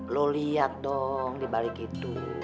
lo lihat dong dibalik itu